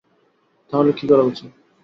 তাহলে কী করা উচিত?